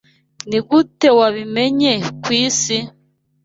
Nigute wabimenye kwisi?